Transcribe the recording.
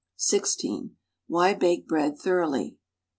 (10) Why bake bread thoroughly.